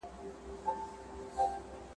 د ماڼوګاڼو له اختیاره تللې !.